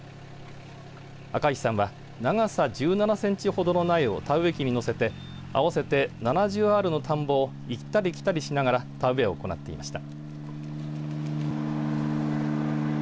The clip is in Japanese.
赤石さんは長さ１７センチほどの苗を田植え機に載せて合わせて７０アールの田んぼを行ったり来たりしながら田植えを行っていました。